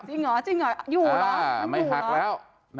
จริงเหรอจริงเหรออยู่เหรอไม่หักแล้ว